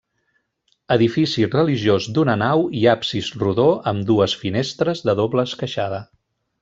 Edifici religiós d'una nau i absis rodó amb dues finestres de doble esqueixada.